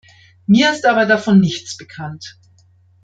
Mir ist aber davon nichts bekannt.